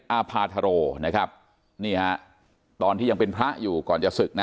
อาภาธโรนะครับนี่ฮะตอนที่ยังเป็นพระอยู่ก่อนจะศึกนะ